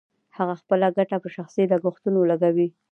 هغه خپله ګټه په شخصي لګښتونو لګوي